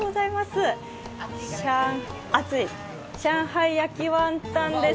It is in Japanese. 上海焼きワンタンです。